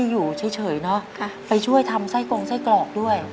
อยู่เฉยเนอะไปช่วยทำไส้กรงไส้กรอกด้วย